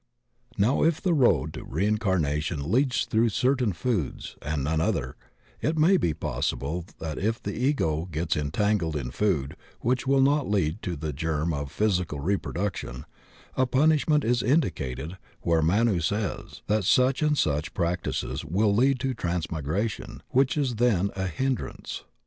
Now if the road to reincarnation leads through certain foods and none other, it may be possible that if the Ego gets entangled in food which will not lead to the germ of physical re production, a punishment is indicated where Manu says that such and such practices will lead to trans migration, which is then a "hindrance."